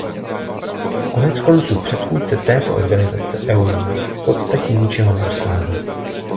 Koneckonců předchůdce této organizace Euromed v podstatě ničeho nedosáhl.